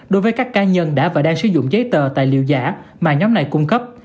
đối với các cá nhân đã và đang sử dụng giấy tờ tài liệu giả mà nhóm này cung cấp